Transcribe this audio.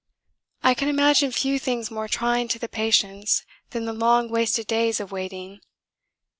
'I can imagine few things more trying to the patience than the long wasted days of waiting.